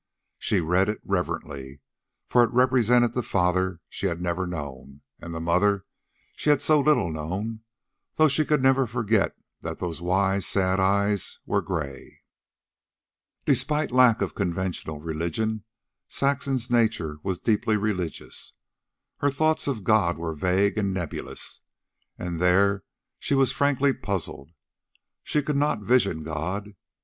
She read it reverently, for it represented the father she had never known, and the mother she had so little known, though she could never forget that those wise sad eyes were gray. Despite lack of conventional religion, Saxon's nature was deeply religious. Her thoughts of God were vague and nebulous, and there she was frankly puzzled. She could not vision God.